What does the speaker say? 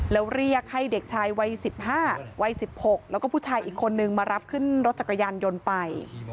แล้วเรียกให้เด็กชายวัย๑๕วัย๑๖แล้วก็ผู้ชายอีกคนนึงมารับขึ้นรถจักรยานยนต์ไป